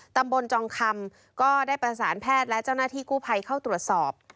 จองคำก็ได้ประสานแพทย์และเจ้าหน้าที่กู้ภัยเข้าตรวจสอบ